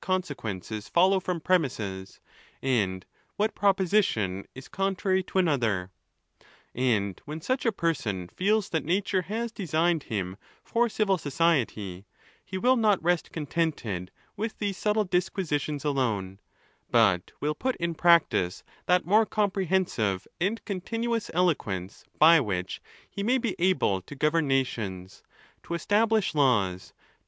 conse quences follow from premises, and what proposition is con trary to another. And when such a person feels that nature has designed him for civil society, he will not rest contented with these subtle disquisitions alone, but will put in prac tice that more comprehensive and continuous eloquence by which he may be able to govern nations, to establish laws, to.